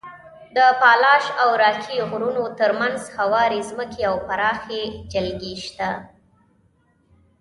د اپالاش او راکي غرونو تر منځ هوارې ځمکې او پراخې جلګې شته.